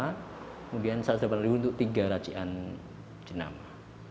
kemudian satu ratus delapan puluh untuk tiga racian jendama